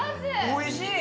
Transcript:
おいしい！